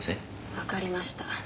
わかりました。